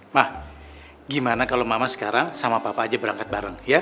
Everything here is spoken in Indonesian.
mah gimana kalau mama sekarang sama papa aja berangkat bareng